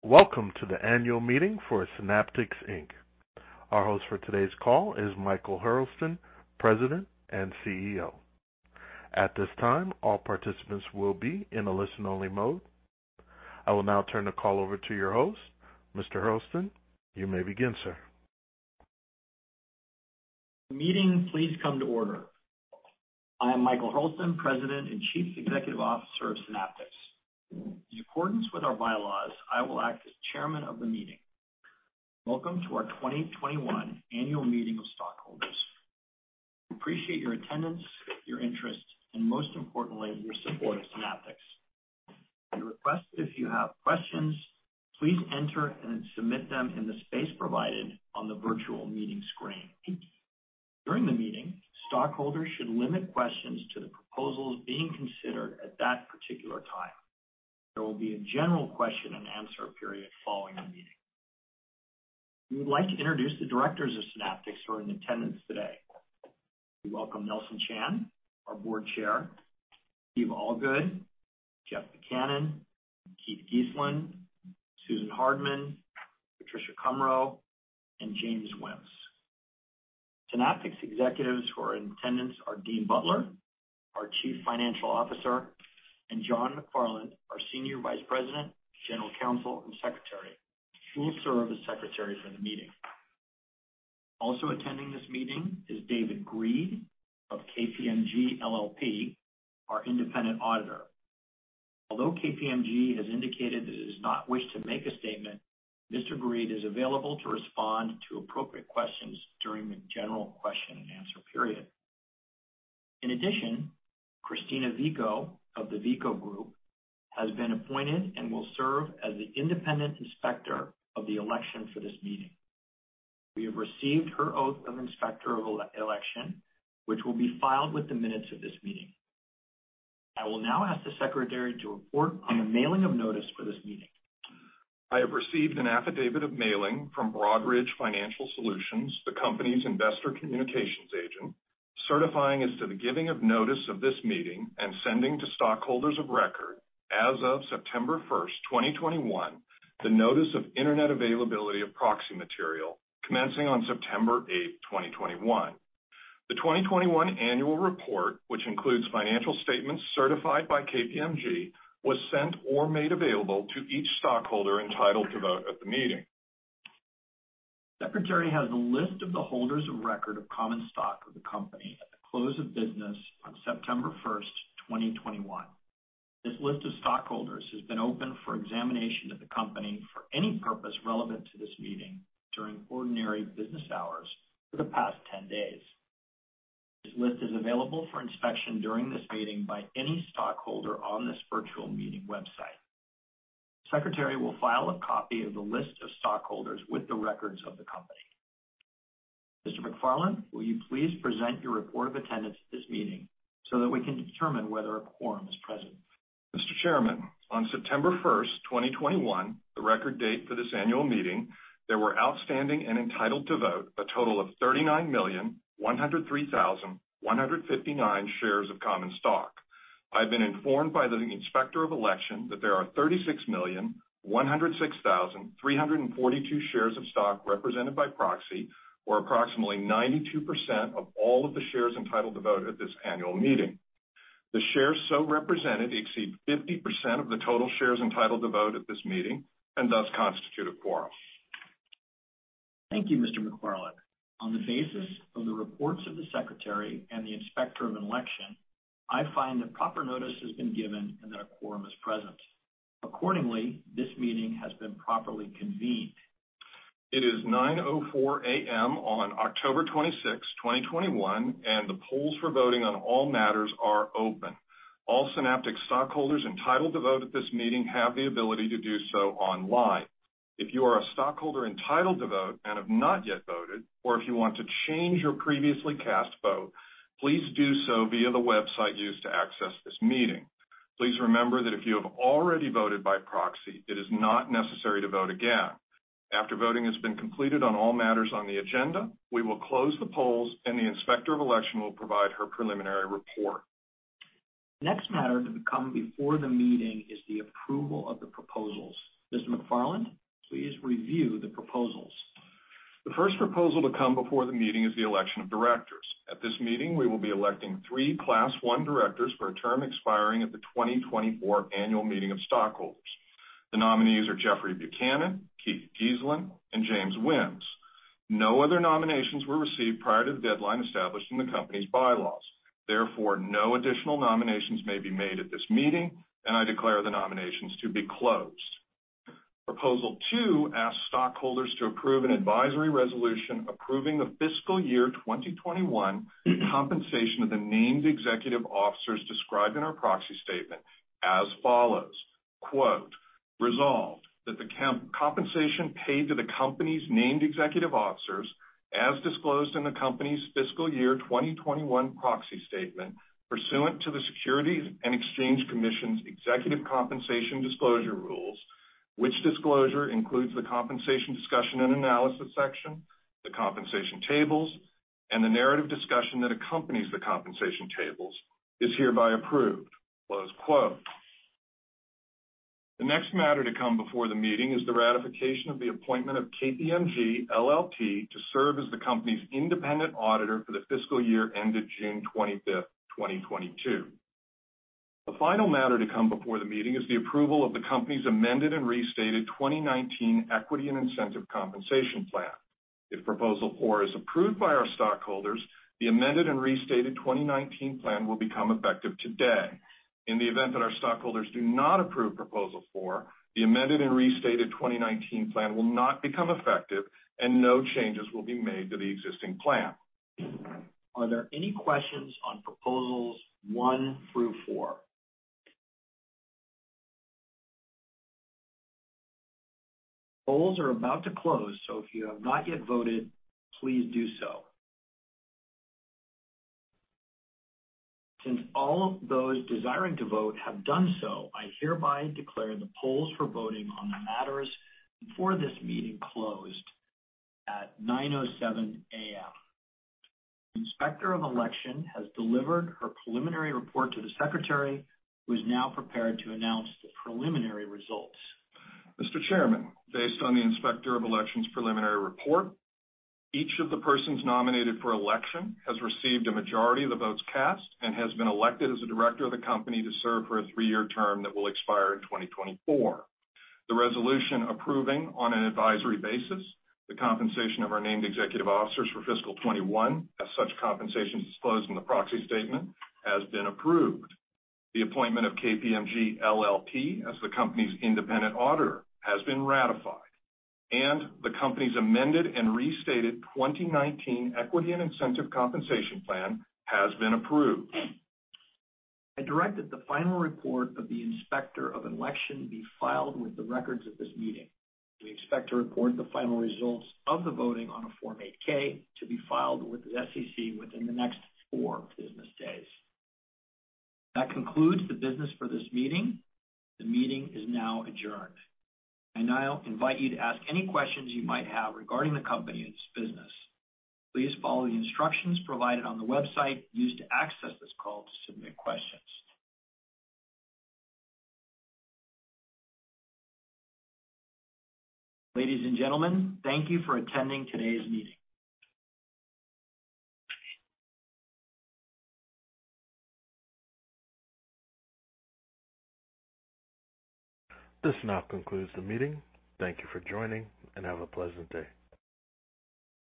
Welcome to the annual meeting for Synaptics. Our host for today's call is Michael Hurlston, President and CEO. At this time, all participants will be in a listen-only mode. I will now turn the call over to your host. Mr. Hurlston, you may begin, sir. meeting, please come to order. I am Michael Hurlston, President and Chief Executive Officer of Synaptics. In accordance with our bylaws, I will act as chairman of the meeting. Welcome to our 2021 annual meeting of stockholders. We appreciate your attendance, your interest, and most importantly, your support of Synaptics. We request if you have questions, please enter and submit them in the space provided on the virtual meeting screen. During the meeting, stockholders should limit questions to the proposals being considered at that particular time. There will be a general question and answer period following the meeting. We would like to introduce the directors of Synaptics who are in attendance today. We welcome Nelson Chan, our Board Chair, Kiva Allgood, Jeffrey Buchanan, Keith Geeslin, Susan Hardman, Patricia Kummrow, and James L. Whims. Synaptics executives who are in attendance are Dean Butler, our Chief Financial Officer, and John McFarland, our Senior Vice President, General Counsel, and Secretary, who will serve as Secretaries of the meeting. Also attending this meeting is David Greed of KPMG LLP, our independent auditor. Although KPMG has indicated that it does not wish to make a statement, Mr. Greed is available to respond to appropriate questions during the general question and answer period. In addition, Christina Vico of the VICO Group has been appointed and will serve as the independent inspector of the election for this meeting. We have received her oath of inspector of election, which will be filed with the minutes of this meeting. I will now ask the Secretary to report on the mailing of notice for this meeting. I have received an affidavit of mailing from Broadridge Financial Solutions, the company's investor communications agent, certifying as to the giving of notice of this meeting and sending to stockholders of record as of September 1st, 2021, the notice of internet availability of proxy material commencing on September 8th, 2021. The 2021 annual report, which includes financial statements certified by KPMG, was sent or made available to each stockholder entitled to vote at the meeting. Secretary has a list of the holders of record of common stock of the company at the close of business on September 1st, 2021. This list of stockholders has been open for examination of the company for any purpose relevant to this meeting during ordinary business hours for the past 10 days. This list is available for inspection during this meeting by any stockholder on this virtual meeting website. Secretary will file a copy of the list of stockholders with the records of the company. Mr. McFarland, will you please present your report of attendance at this meeting so that we can determine whether a quorum is present? Mr. Chairman, on September 1st, 2021, the record date for this annual meeting, there were outstanding and entitled to vote a total of 39,103,159 shares of common stock. I've been informed by the inspector of election that there are 36,106,342 shares of stock represented by proxy, or approximately 92% of all of the shares entitled to vote at this annual meeting. The shares so represented exceed 50% of the total shares entitled to vote at this meeting and thus constitute a quorum. Thank you, Mr. McFarland. On the basis of the reports of the Secretary and the inspector of election, I find that proper notice has been given and that a quorum is present. Accordingly, this meeting has been properly convened. It is 9:04 A.M. on October 26, 2021, and the polls for voting on all matters are open. All Synaptics stockholders entitled to vote at this meeting have the ability to do so online. If you are a stockholder entitled to vote and have not yet voted, or if you want to change your previously cast vote, please do so via the website used to access this meeting. Please remember that if you have already voted by proxy, it is not necessary to vote again. After voting has been completed on all matters on the agenda, we will close the polls, and the inspector of election will provide her preliminary report. The next matter to come before the meeting is the approval of the proposals. Mr. McFarland, please review the proposals. The first proposal to come before the meeting is the election of directors. At this meeting, we will be electing three Class One directors for a term expiring at the 2024 Annual Meeting of Stockholders. The nominees are Jeffrey Buchanan, Keith Geeslin, and James L. Whims. No other nominations were received prior to the deadline established in the company's bylaws. Therefore, no additional nominations may be made at this meeting, and I declare the nominations to be closed. Proposal two asks stockholders to approve an advisory resolution approving the fiscal year 2021 compensation of the named executive officers described in our proxy statement as follows. Resolved, that the compensation paid to the company's named executive officers, as disclosed in the company's fiscal year 2021 proxy statement, pursuant to the Securities and Exchange Commission's executive compensation disclosure rules, which disclosure includes the compensation discussion and analysis section, the compensation tables, and the narrative discussion that accompanies the compensation tables is hereby approved." The next matter to come before the meeting is the ratification of the appointment of KPMG LLP to serve as the company's independent auditor for the fiscal year ending June 25th, 2022. The final matter to come before the meeting is the approval of the company's amended and restated 2019 Equity and Incentive Compensation Plan. If Proposal four is approved by our stockholders, the amended and restated 2019 plan will become effective today. In the event that our stockholders do not approve Proposal four, the amended and restated 2019 plan will not become effective and no changes will be made to the existing plan. Are there any questions on Proposals one through four? Polls are about to close, so if you have not yet voted, please do so. Since all those desiring to vote have done so, I hereby declare the polls for voting on the matters before this meeting closed at 9:07 A.M. Inspector of Election has delivered her preliminary report to the Secretary who is now prepared to announce the preliminary results. Mr. Chairman, based on the Inspector of Election's preliminary report, each of the persons nominated for election has received a majority of the votes cast and has been elected as a director of the company to serve for a three-year term that will expire in 2024. The resolution approving on an advisory basis the compensation of our named executive officers for fiscal 2021 as such compensation disclosed in the proxy statement has been approved. The appointment of KPMG LLP as the company's independent auditor has been ratified. The company's amended and restated 2019 Equity and Incentive Compensation Plan has been approved. I direct that the final report of the Inspector of Election be filed with the records of this meeting. We expect to report the final results of the voting on a Form 8-K to be filed with the SEC within the next four business days. That concludes the business for this meeting. The meeting is now adjourned. I now invite you to ask any questions you might have regarding the company and its business. Please follow the instructions provided on the website used to access this call to submit questions. Ladies and gentlemen, thank you for attending today's meeting. This now concludes the meeting. Thank you for joining, and have a pleasant day.